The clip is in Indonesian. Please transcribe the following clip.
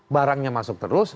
barangnya masuk terus